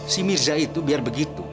si miza itu biar begitu